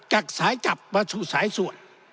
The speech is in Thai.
จากสายจับประชุมสายสวร